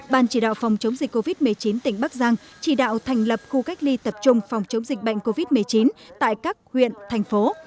ban chỉ đạo phòng chống dịch covid một mươi chín tỉnh bắc giang chỉ đạo thành lập khu cách ly tập trung phòng chống dịch bệnh covid một mươi chín tại các huyện thành phố